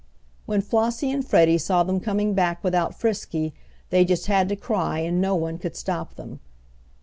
When Flossie and Freddie saw them coming back without Frisky they just had to cry and no one could stop them.